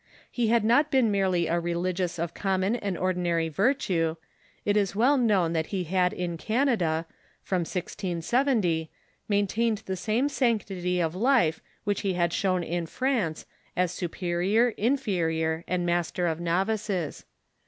He had not been merely a religious of common and ordinary virtue ; it is well known that he had in Canada, from 1670, maintained the same sanctity of life which he had shown in France as supe rior, inferior, and master of novices.